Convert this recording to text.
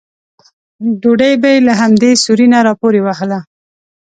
ډوډۍ به یې له همدې سوري نه راپورې وهله.